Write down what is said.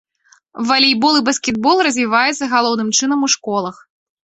Валейбол і баскетбол развіваецца галоўным чынам у школах.